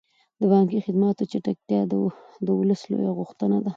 د بانکي خدماتو چټکتیا د ولس لویه غوښتنه ده.